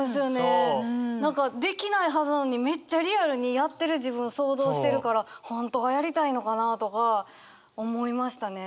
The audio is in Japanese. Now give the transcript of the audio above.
何かできないはずなのにめっちゃリアルにやってる自分想像してるから本当はやりたいのかなとか思いましたね。